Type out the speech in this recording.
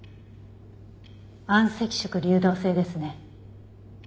暗赤色流動性ですね。